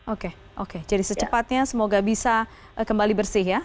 oke oke jadi secepatnya semoga bisa kembali bersih ya